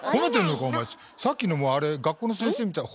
さっきのもあれ「学校の先生みたい」